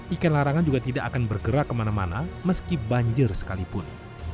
ikan larangan juga tidak akan bergerak kemana mana meski banjir sekalipun